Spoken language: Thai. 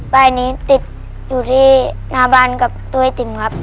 ป้ายนี้ติดอยู่ที่หน้าบ้านกับตัวไอติมครับ